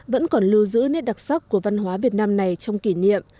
vẫn còn lưu giữ nét đặc sắc của văn hóa việt nam này trong kỷ niệm